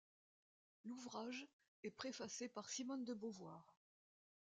L'ouvrage est préfacé par Simone de Beauvoir.